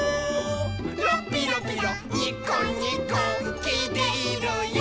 「ラッピラピラニコニコきいているよ」